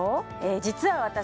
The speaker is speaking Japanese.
実は私